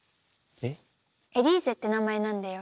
エリーゼって名前なんだよ。